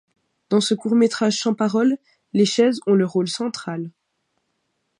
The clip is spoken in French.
Dans ce court métrage, sans parole, les chaises ont le rôle central.